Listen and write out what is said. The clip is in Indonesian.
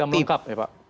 seragam lengkap ya pak